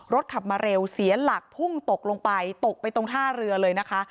ขับมาเร็วเสียหลักพุ่งตกลงไปตกไปตรงท่าเรือเลยนะคะ